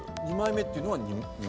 二枚目っていうのは。